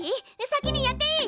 先にやっていい？